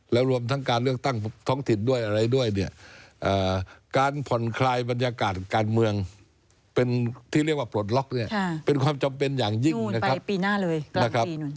แล้วรวมทั้งการเลือกตั้งท้องถิ่นด้วยอะไรด้วยเนี่ยการผ่อนคลายบรรยากาศการเมืองเป็นที่เรียกว่าปลดล็อกเนี่ยเป็นความจำเป็นอย่างยิ่งนะครับในปีหน้าเลยนะครับ